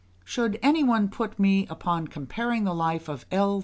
Should any one put me upon comparing the life of L.